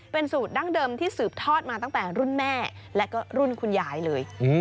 เป็นสูตรดั้งเดิมที่สืบทอดมาตั้งแต่รุ่นแม่และก็รุ่นคุณยายเลย